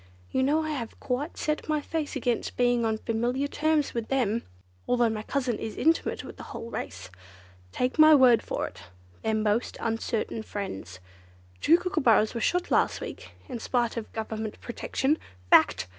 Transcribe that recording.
You know I have quite set my face against being on familiar terms with them, although my cousin is intimate with the whole race. Take my word for it, they're most uncertain friends. Two Kookooburras were shot last week, in spite of Government protection. Fact!"